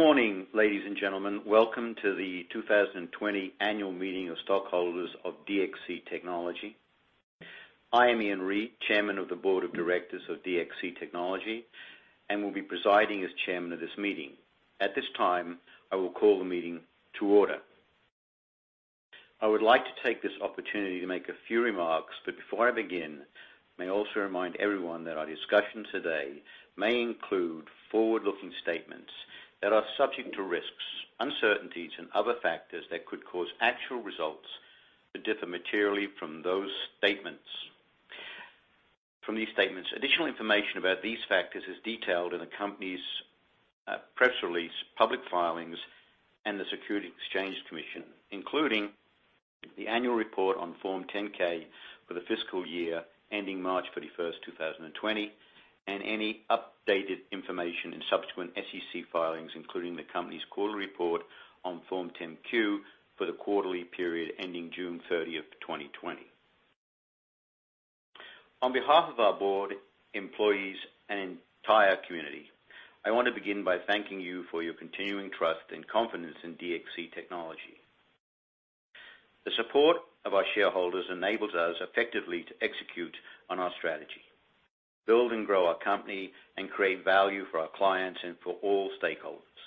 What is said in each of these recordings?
Good morning, ladies and gentlemen. Welcome to the 2020 Annual Meeting of Stockholders of DXC Technology. I am Ian Read, Chairman of the Board of Directors of DXC Technology, and will be presiding as Chairman of this meeting. At this time, I will call the meeting to order. I would like to take this opportunity to make a few remarks, but before I begin, may I also remind everyone that our discussion today may include forward-looking statements that are subject to risks, uncertainties, and other factors that could cause actual results to differ materially from those statements. From these statements, additional information about these factors is detailed in the company's press release, public filings, and the Securities and Exchange Commission, including the annual report on Form 10-K for the fiscal year ending March 31st, 2020, and any updated information in subsequent SEC filings, including the company's quarterly report on Form 10-Q for the quarterly period ending June 30th, 2020. On behalf of our board, employees, and entire community, I want to begin by thanking you for your continuing trust and confidence in DXC Technology. The support of our shareholders enables us effectively to execute on our strategy, build and grow our company, and create value for our clients and for all stakeholders.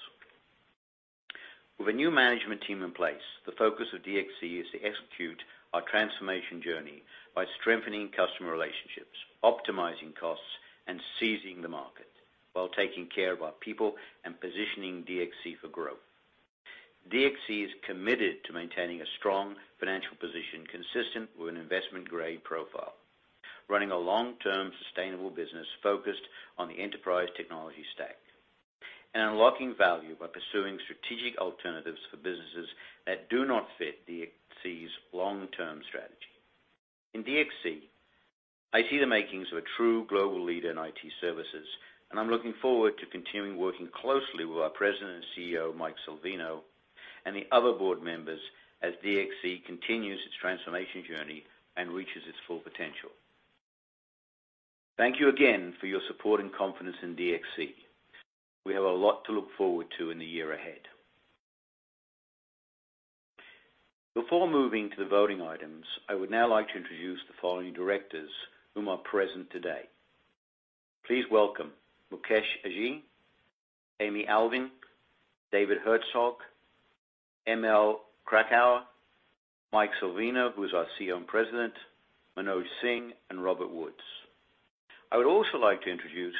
With a new management team in place, the focus of DXC is to execute our transformation journey by strengthening customer relationships, optimizing costs, and seizing the market while taking care of our people and positioning DXC for growth. DXC is committed to maintaining a strong financial position consistent with an investment-grade profile, running a long-term sustainable business focused on the enterprise technology stack, and unlocking value by pursuing strategic alternatives for businesses that do not fit DXC's long-term strategy. In DXC, I see the makings of a true global leader in IT services, and I'm looking forward to continuing working closely with our President and CEO, Mike Salvino, and the other board members as DXC continues its transformation journey and reaches its full potential. Thank you again for your support and confidence in DXC. We have a lot to look forward to in the year ahead. Before moving to the voting items, I would now like to introduce the following directors who are present today. Please welcome Mukesh Aghi, Amy Alving, David Herzog, Mary Krakauer, Mike Salvino, who is our CEO and President, Manoj Singh, and Robert Woods. I would also like to introduce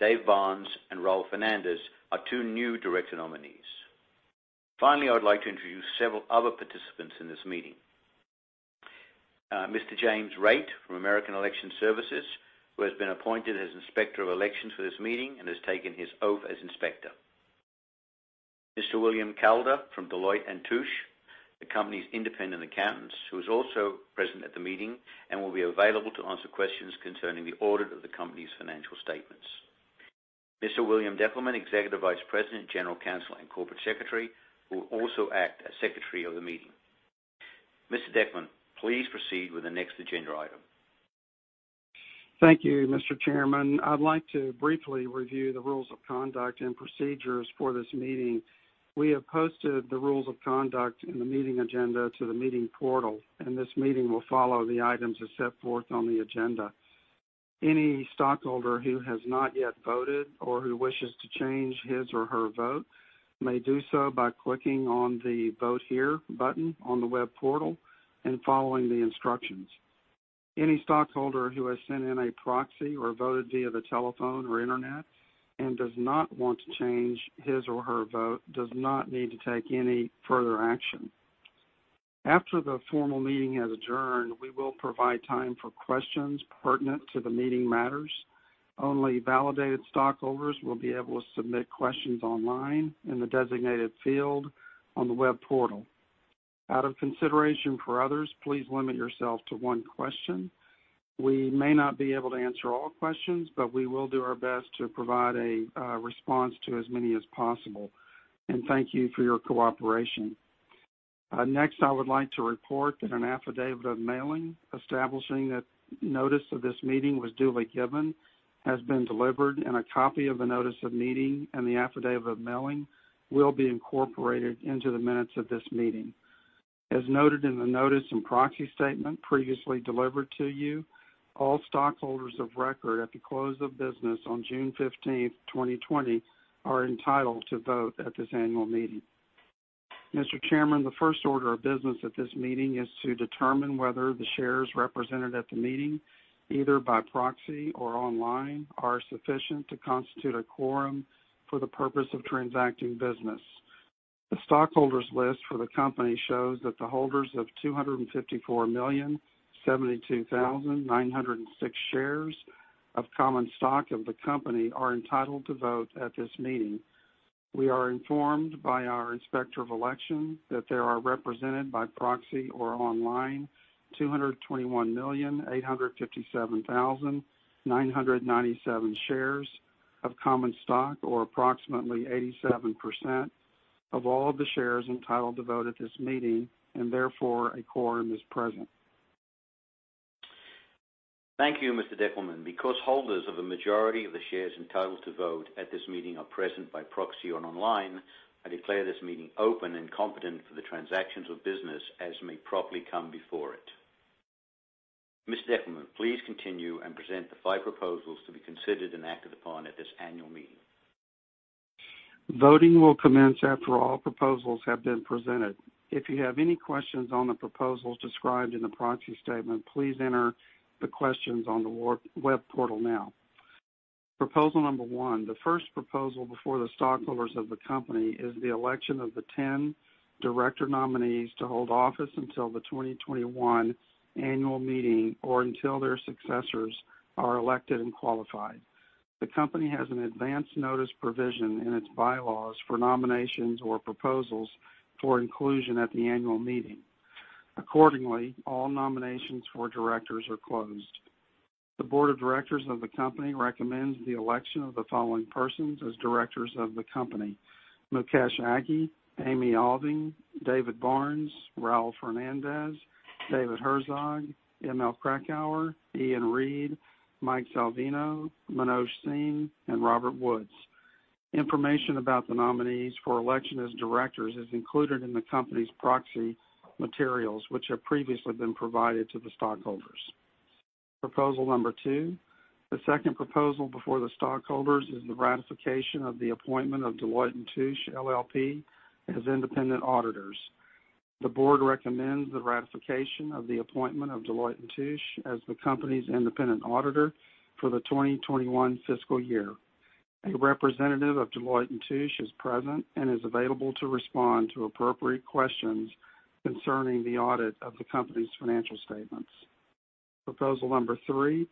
Dave Barnes and Raul Fernandez, our two new director nominees. Finally, I would like to introduce several other participants in this meeting: Mr. James Raitt from American Election Services, who has been appointed as Inspector of Elections for this meeting and has taken his oath as Inspector. Mr. William Calder from Deloitte & Touche, the company's independent accountants, who is also present at the meeting and will be available to answer questions concerning the audit of the company's financial statements. Mr. William Deckelman, Executive Vice President, General Counsel, and Corporate Secretary, who will also act as Secretary of the meeting. Mr. Deckelman, please proceed with the next agenda item. Thank you, Mr. Chairman. I'd like to briefly review the rules of conduct and procedures for this meeting. We have posted the rules of conduct in the meeting agenda to the meeting portal, and this meeting will follow the items as set forth on the agenda. Any stockholder who has not yet voted or who wishes to change his or her vote may do so by clicking on the "Vote Here" button on the web portal and following the instructions. Any stockholder who has sent in a proxy or voted via the telephone or internet and does not want to change his or her vote does not need to take any further action. After the formal meeting has adjourned, we will provide time for questions pertinent to the meeting matters. Only validated stockholders will be able to submit questions online in the designated field on the web portal. Out of consideration for others, please limit yourself to one question. We may not be able to answer all questions, but we will do our best to provide a response to as many as possible, and thank you for your cooperation. Next, I would like to report that an affidavit of mailing establishing that notice of this meeting was duly given has been delivered, and a copy of the notice of meeting and the affidavit of mailing will be incorporated into the minutes of this meeting. As noted in the notice and proxy statement previously delivered to you, all stockholders of record at the close of business on June 15th, 2020, are entitled to vote at this annual meeting. Mr. Chairman, the first order of business at this meeting is to determine whether the shares represented at the meeting, either by proxy or online, are sufficient to constitute a quorum for the purpose of transacting business. The stockholders' list for the company shows that the holders of 254, 072, 906 shares of common stock of the company are entitled to vote at this meeting. We are informed by our Inspector of Elections that they are represented by proxy or online 221, 857, 997 shares of common stock, or approximately 87% of all the shares entitled to vote at this meeting, and therefore a quorum is present. Thank you, Mr. Deckelman. Because holders of the majority of the shares entitled to vote at this meeting are present by proxy or online, I declare this meeting open and competent for the transactions of business as may properly come before it. Mr. Deckelman, please continue and present the five proposals to be considered and acted upon at this annual meeting. Voting will commence after all proposals have been presented. If you have any questions on the proposals described in the proxy statement, please enter the questions on the web portal now. Proposal number one, the first proposal before the stockholders of the company is the election of the 10 director nominees to hold office until the 2021 annual meeting or until their successors are elected and qualified. The company has an advance notice provision in its bylaws for nominations or proposals for inclusion at the annual meeting. Accordingly, all nominations for directors are closed. The board of directors of the company recommends the election of the following persons as directors of the company: Mukesh Aghi, Amy Alving, David Barnes, Raul Fernandez, David Herzog, Mary Krakauer, Ian Read, Mike Salvino, Manoj Singh, and Robert Woods. Information about the nominees for election as directors is included in the company's proxy materials, which have previously been provided to the stockholders. Proposal number two, the second proposal before the stockholders, is the ratification of the appointment of Deloitte & Touche LLP as independent auditors. The board recommends the ratification of the appointment of Deloitte & Touche as the company's independent auditor for the 2021 Fiscal Year. A representative of Deloitte & Touche is present and is available to respond to appropriate questions concerning the audit of the company's financial statements. Proposal number three,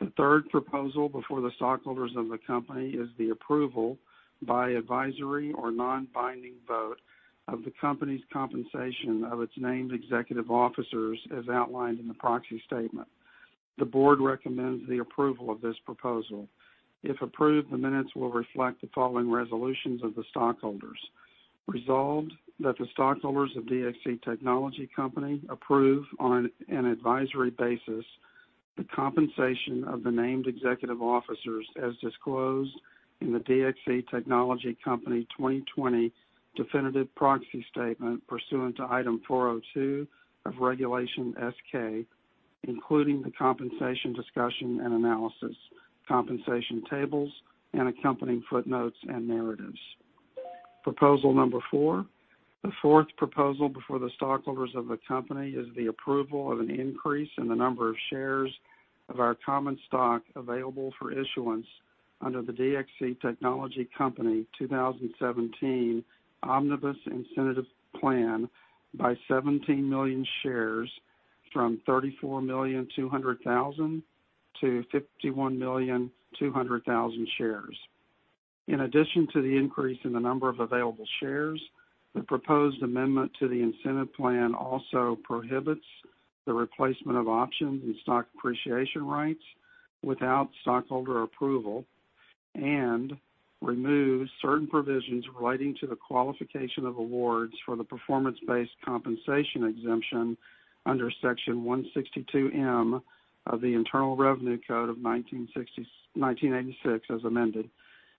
the third proposal before the stockholders of the company, is the approval by advisory or non-binding vote of the company's compensation of its named executive officers as outlined in the proxy statement. The board recommends the approval of this proposal. If approved, the minutes will reflect the following resolutions of the stockholders: resolved that the stockholders of DXC Technology Company approve on an advisory basis the compensation of the named executive officers as disclosed in the DXC Technology Company 2020 definitive proxy statement pursuant to Item 402 of Regulation S-K, including the compensation discussion and analysis, compensation tables, and accompanying footnotes and narratives. Proposal number four, the fourth proposal before the stockholders of the company is the approval of an increase in the number of shares of our common stock available for issuance under the DXC Technology Company 2017 Omnibus Incentive Plan by 17 million shares from 34,200,000 to 51,200,000 shares. In addition to the increase in the number of available shares, the proposed amendment to the incentive plan also prohibits the replacement of options and stock appreciation rights without stockholder approval and removes certain provisions relating to the qualification of awards for the performance-based compensation exemption under Section 162(m) of the Internal Revenue Code of 1986 as amended,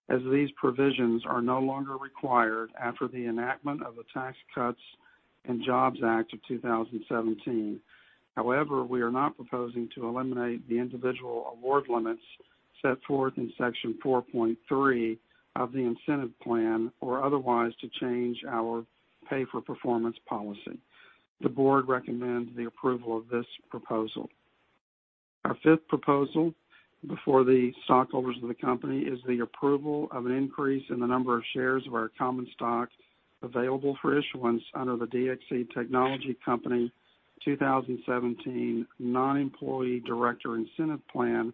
as these provisions are no longer required after the enactment of the Tax Cuts and Jobs Act of 2017. However, we are not proposing to eliminate the individual award limits set forth in Section 4.3 of the incentive plan or otherwise to change our pay-for-performance policy. The board recommends the approval of this proposal. Our fifth proposal before the stockholders of the company is the approval of an increase in the number of shares of our common stock available for issuance under the DXC Technology Company 2017 Non-Employee Director Incentive Plan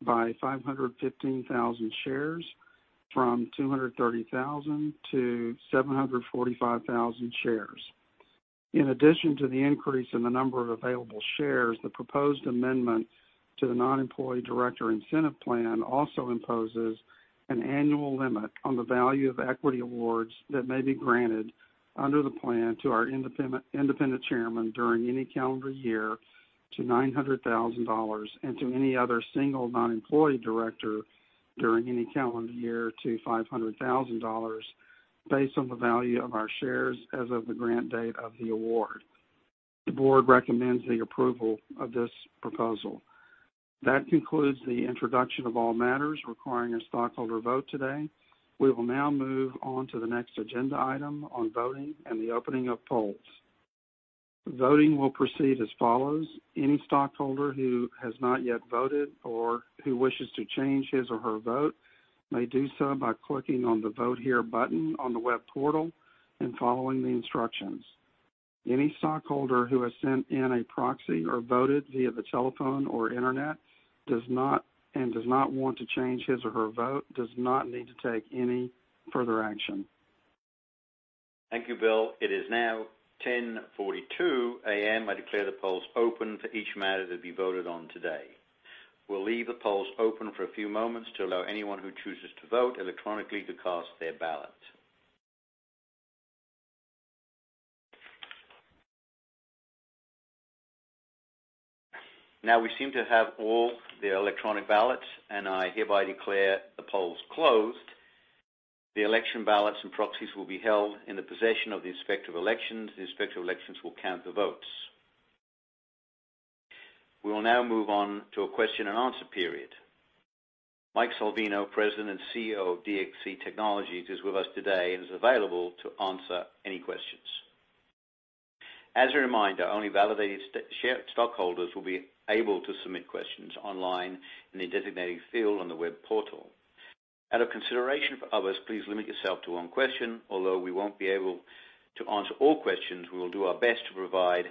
by 515,000 shares from 230,000 to 745,000 shares. In addition to the increase in the number of available shares, the proposed amendment to the Non-Employee Director Incentive Plan also imposes an annual limit on the value of equity awards that may be granted under the plan to our independent chairman during any calendar year to $900,000 and to any other single non-employee director during any calendar year to $500,000 based on the value of our shares as of the grant date of the award. The board recommends the approval of this proposal. That concludes the introduction of all matters requiring a stockholder vote today. We will now move on to the next agenda item on voting and the opening of polls. Voting will proceed as follows. Any stockholder who has not yet voted or who wishes to change his or her vote may do so by clicking on the "Vote Here" button on the web portal and following the instructions. Any stockholder who has sent in a proxy or voted via the telephone or internet and does not want to change his or her vote does not need to take any further action. Thank you, Bill. It is now 10:42 A.M. I declare the polls open for each matter that will be voted on today. We'll leave the polls open for a few moments to allow anyone who chooses to vote electronically to cast their ballot. Now we seem to have all the electronic ballots, and I hereby declare the polls closed. The election ballots and proxies will be held in the possession of the Inspector of Elections. The Inspector of Elections will count the votes. We will now move on to a question and answer period. Mike Salvino, President and CEO of DXC Technology, is with us today and is available to answer any questions. As a reminder, only validated stockholders will be able to submit questions online in the designated field on the web portal. Out of consideration for others, please limit yourself to one question. Although we won't be able to answer all questions, we will do our best to provide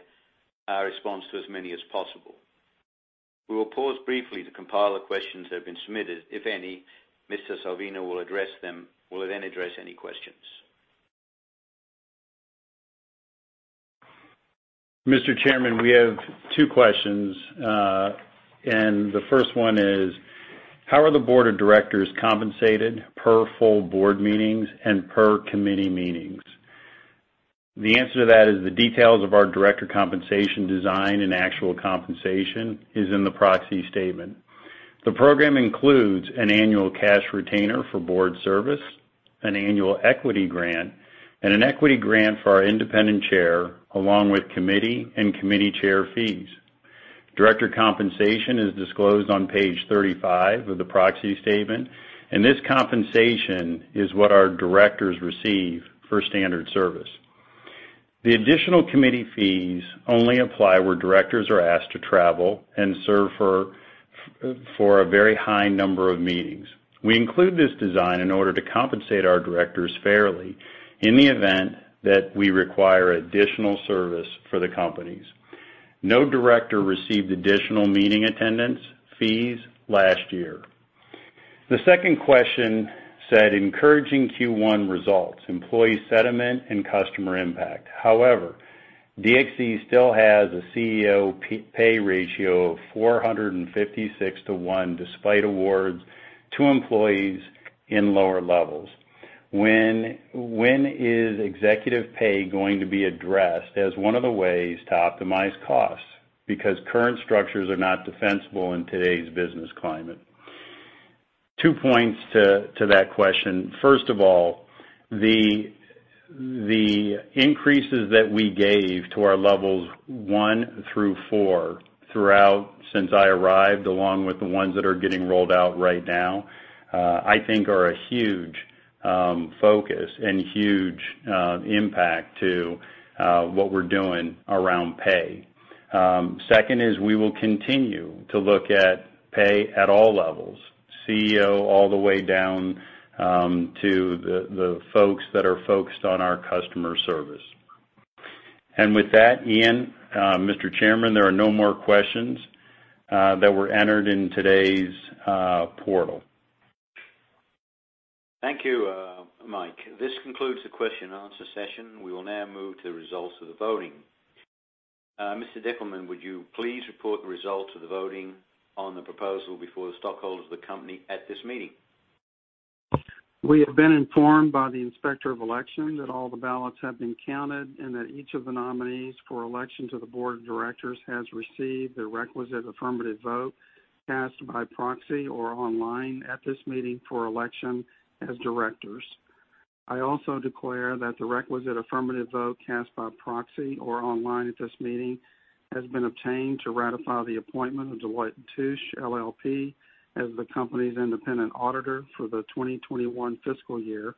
a response to as many as possible. We will pause briefly to compile the questions that have been submitted. If any, Mr. Salvino will then address any questions. Mr. Chairman, we have two questions, and the first one is, how are the board of directors compensated per full board meetings and per committee meetings? The answer to that is the details of our director compensation design and actual compensation is in the proxy statement. The program includes an annual cash retainer for board service, an annual equity grant, and an equity grant for our independent chair, along with committee and committee chair fees. Director compensation is disclosed on page 35 of the proxy statement, and this compensation is what our directors receive for standard service. The additional committee fees only apply where directors are asked to travel and serve for a very high number of meetings. We include this design in order to compensate our directors fairly in the event that we require additional service for the companies. No director received additional meeting attendance fees last year. The second question said, "Encouraging Q1 results, employee sentiment, and customer impact." However, DXC still has a CEO pay ratio of 456 to 1 despite awards to employees in lower levels. When is executive pay going to be addressed as one of the ways to optimize costs? Because current structures are not defensible in today's business climate. Two points to that question. First of all, the increases that we gave to our levels one through four throughout since I arrived, along with the ones that are getting rolled out right now, I think are a huge focus and huge impact to what we're doing around pay. Second is we will continue to look at pay at all levels, CEO all the way down to the folks that are focused on our customer service. And with that, Ian, Mr. Chairman, there are no more questions that were entered in today's portal. Thank you, Mike. This concludes the question and answer session. We will now move to the results of the voting. Mr. Deckelman, would you please report the results of the voting on the proposal before the stockholders of the company at this meeting? We have been informed by the Inspector of Elections that all the ballots have been counted and that each of the nominees for election to the board of directors has received the requisite affirmative vote cast by proxy or online at this meeting for election as directors. I also declare that the requisite affirmative vote cast by proxy or online at this meeting has been obtained to ratify the appointment of Deloitte & Touche LLP as the company's independent auditor for the 2021 Fiscal Year.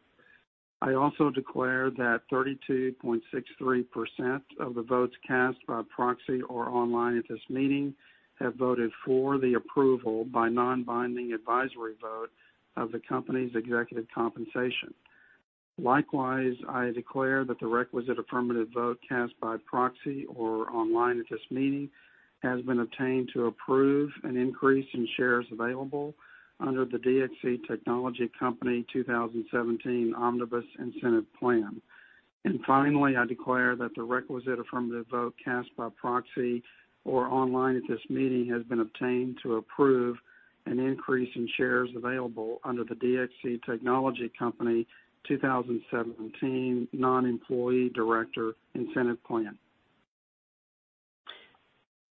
I also declare that 32.63% of the votes cast by proxy or online at this meeting have voted for the approval by non-binding advisory vote of the company's executive compensation. Likewise, I declare that the requisite affirmative vote cast by proxy or online at this meeting has been obtained to approve an increase in shares available under the DXC Technology Company 2017 Omnibus Incentive Plan. Finally, I declare that the requisite affirmative vote cast by proxy or online at this meeting has been obtained to approve an increase in shares available under the DXC Technology Company 2017 Non-Employee Director Incentive Plan.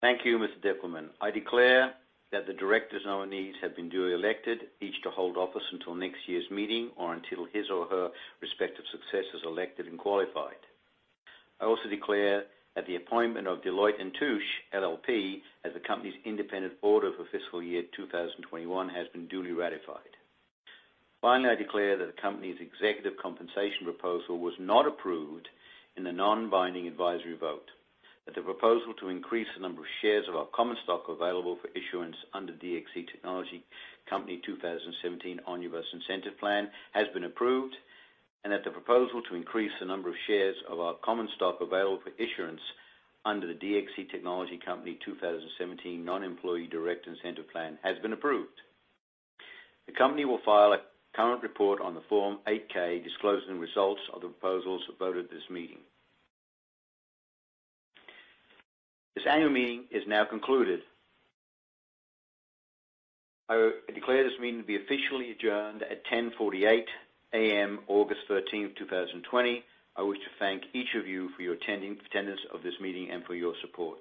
Thank you, Mr. Deckelman. I declare that the director's nominees have been duly elected, each to hold office until next year's meeting or until his or her respective successors are elected and qualified. I also declare that the appointment of Deloitte & Touche LLP as the company's independent auditor for Fiscal Year 2021 has been duly ratified. Finally, I declare that the company's executive compensation proposal was not approved in the non-binding advisory vote, that the proposal to increase the number of shares of our common stock available for issuance under DXC Technology Company 2017 Omnibus Incentive Plan has been approved, and that the proposal to increase the number of shares of our common stock available for issuance under the DXC Technology Company 2017 Non-Employee Director Incentive Plan has been approved. The company will file a current report on the Form 8-K disclosing the results of the proposals voted at this meeting. This annual meeting is now concluded. I declare this meeting to be officially adjourned at 10:48 A.M., August 13th, 2020. I wish to thank each of you for your attendance of this meeting and for your support.